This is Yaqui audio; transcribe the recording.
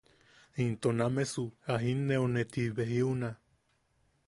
Into “namesu a jinne’une ti ji be jiuna”.